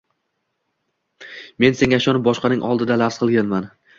men senga ishonib boshqaning oldida lafz qilganman